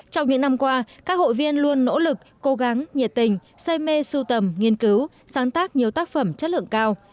trong những năm qua các hội viên luôn nỗ lực cố gắng nhiệt tình say mê sưu tầm nghiên cứu sáng tác nhiều tác phẩm chất lượng cao